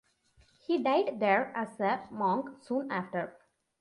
He died there as a monk soon after.